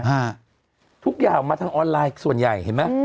ฮะทุกอย่างมาทางออนไลน์ส่วนใหญ่เห็นไหม